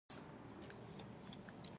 موږ ورسره مخ په مخ شو، له دوی څخه یوه افسر.